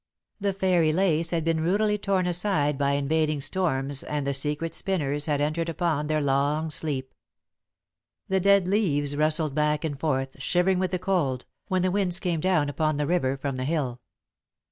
The fairy lace had been rudely torn aside by invading storms and the Secret Spinners had entered upon their long sleep. The dead leaves rustled back and forth, shivering with the cold, when the winds came down upon the river from the hill.